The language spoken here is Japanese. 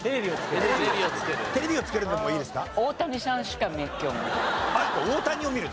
「テレビをつける」でもいいんですよね？